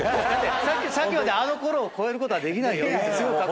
さっきまであのころを超えることはできないよって。